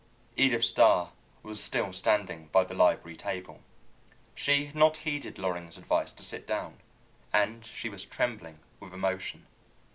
Edith Starr was still standing by the library table. She had not heeded Loring's advice to sit down, and she was trembling with emotion.